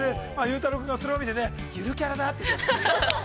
ゆうたろう君が、それを見てね、ゆるキャラだって言ってました。